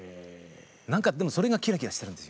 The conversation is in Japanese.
何かでもそれがキラキラしてるんですよね。